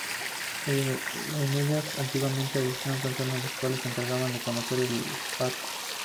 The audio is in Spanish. En ellas antiguamente habitaban personas, las cuales se encargaban de cocer el esparto.